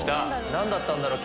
何だったんだろう？